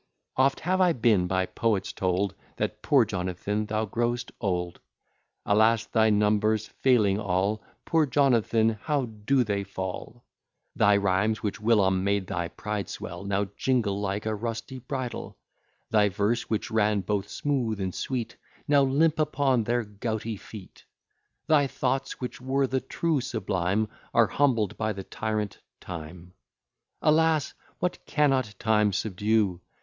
Oft have I been by poets told, That, poor Jonathan, thou grow'st old. Alas, thy numbers failing all, Poor Jonathan, how they do fall! Thy rhymes, which whilom made thy pride swell, Now jingle like a rusty bridle: Thy verse, which ran both smooth and sweet, Now limp upon their gouty feet: Thy thoughts, which were the true sublime, Are humbled by the tyrant, Time: Alas! what cannot Time subdue?